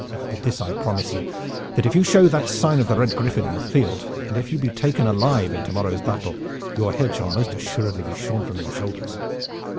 But this I promise you, that if you show that sign of the Red Griffin in the field and if you be taken alive in to morrow's battle, your head shall most assuredly be shorn from your shoulders."